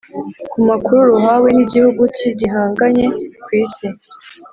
ku makuru ruhawe n'igihugu cy'igihangange ku isi?